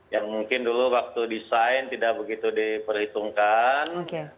yang mungkin dulu waktu desain tidak begitu diperhitungkan